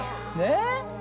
ねえ。